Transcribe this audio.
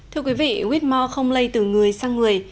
thưa quý vị whitmore không lây từ người sang người